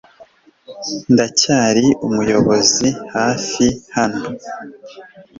Ndacyari umuyobozi hafi hano .